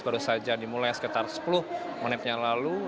baru saja dimulai sekitar sepuluh menit yang lalu